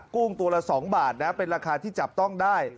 กุ้งตัวละ๒บาทนะเป็นราคาที่จับต้องได้